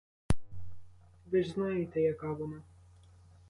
Ви ж знаєте, яка вона.